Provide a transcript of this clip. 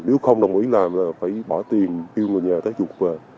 nếu không đồng ý làm là phải bỏ tiền kêu người nhà tới chuột về